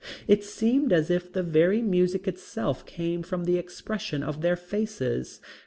It seemed as if the very music itself came from the expression of their faces.